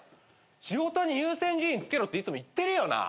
仕事に優先順位つけろっていつも言ってるよな？